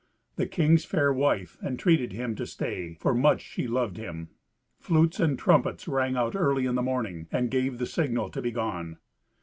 The king's fair wife entreated him to stay, for much she loved him. Flutes and trumpets rang out early in the morning, and gave the signal to be gone.